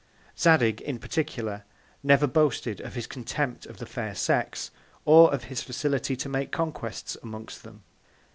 Zadig, in particular, never boasted of his Contempt of the Fair Sex, or of his Facility to make Conquests amongst them.